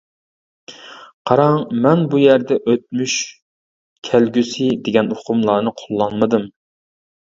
قاراڭ، مەن بۇ يەردە ئۆتمۈش، كەلگۈسى دېگەن ئۇقۇملارنى قوللانمىدىم.